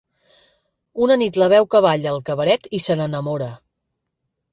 Una nit la veu que balla al cabaret i se n'enamora.